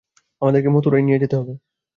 আমাদেরকে মথুরায় নিয়ে যেতে হবে।